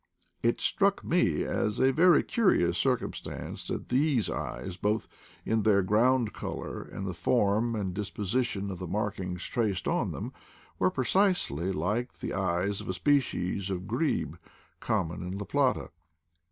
It struck me as a very curi ous circumstance that these eyes, both in their ground color and the form and disposition of the markings traced on them, were precisely like the eyes of a species of grebe, common in La Plata.